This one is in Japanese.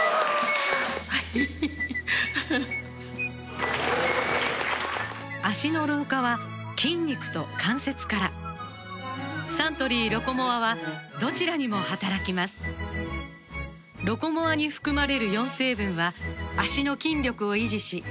はい・脚の老化は筋肉と関節からサントリー「ロコモア」はどちらにも働きます「ロコモア」に含まれる４成分は脚の筋力を維持しひざ関節に働きかけることにより